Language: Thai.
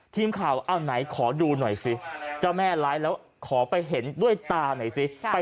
ทีมข่าวเอาไหนขอดูหน่อยสิเจ้าแม่ไลฟ์แล้วขอไปเห็นด้วยตาหน่อยสิ